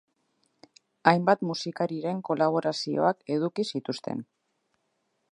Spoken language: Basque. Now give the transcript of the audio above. Hainbat musikariren kolaborazioak eduki zituzten.